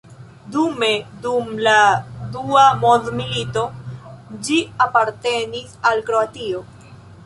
Dume dum la Dua Mondmilito ĝi apartenis al Kroatio.